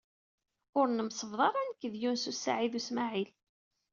Ur nemsebḍa ara nekk ed Yunes u Saɛid u Smaɛil.